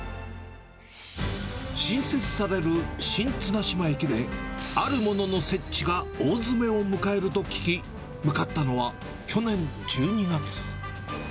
新設される新綱島駅で、あるものの設置が大詰めを迎えると聞き、向かったのは去年１２月。